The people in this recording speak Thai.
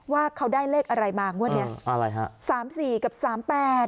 ว่าเขาได้เลขอะไรมางวดเนี้ยอะไรฮะสามสี่กับสามแปด